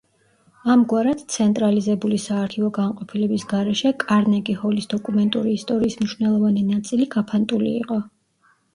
ამგვარად ცენტრალიზებული საარქივო განყოფილების გარეშე კარნეგი-ჰოლის დოკუმენტური ისტორიის მნიშვნელოვანი ნაწილი გაფანტული იყო.